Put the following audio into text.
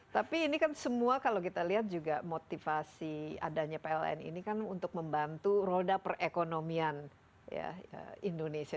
tapi ini kan semua kalau kita lihat juga motivasi adanya pln ini kan untuk membantu roda perekonomian indonesia